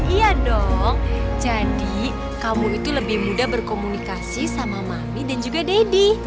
iya dong jadi kamu itu lebih mudah berkomunikasi sama mami dan juga deddy